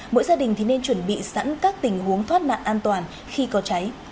mỗi gia đình thì nên chuẩn bị sẵn các tình huống thoát nạn an toàn khi có cháy